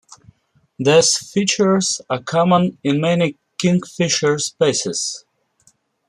These features are common in many kingfisher species.